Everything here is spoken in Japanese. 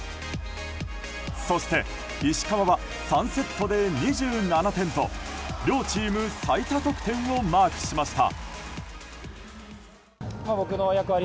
そして、石川は３セットで２７点と両チーム最多得点をマークしました。